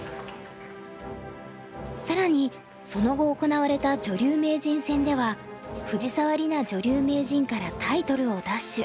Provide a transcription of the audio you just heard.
更にその後行われた女流名人戦では藤沢里菜女流名人からタイトルを奪取。